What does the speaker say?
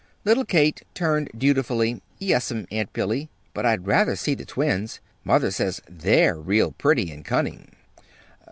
Little Kate turned dutifully. "Yes'm, Aunt Billy, but I'd rather see the twins. Mother says they're real pretty and cunning."